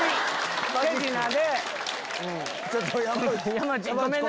山内ごめんな。